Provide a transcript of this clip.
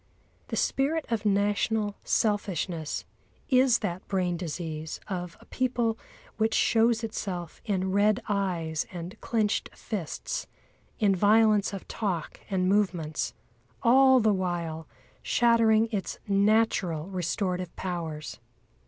The spirit of national selfishness is that brain disease of a people which shows itself in red eyes and clenched fists, in violence of talk and movements, all the while shattering its natural restorative powers.